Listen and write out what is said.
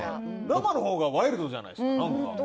生のほうがワイルドじゃないですか？